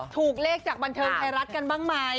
ถูกเลขจากบันเทิงไทยรัฐกันบ้างไหม